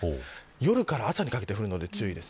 夜から朝にかけて降るので注意です。